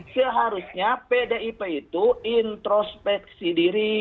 seharusnya pdip itu introspeksi diri